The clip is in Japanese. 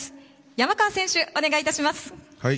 山川選手、お願いいたします。